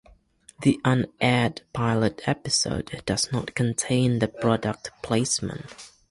The unaired pilot episode does not contain the product placement.